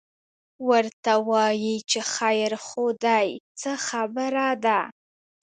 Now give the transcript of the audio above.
ورته وایي چې خیر خو دی، څه خبره ده؟